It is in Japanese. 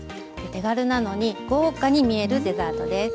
手軽なのに豪華に見えるデザートです。